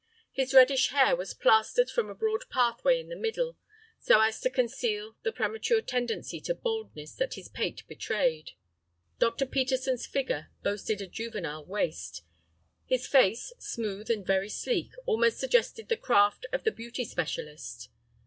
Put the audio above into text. His reddish hair was plastered from a broad pathway in the middle, so as to conceal the premature tendency to baldness that his pate betrayed. Dr. Peterson's figure boasted a juvenile waist; his face, smooth and very sleek, almost suggested the craft of the beauty specialist.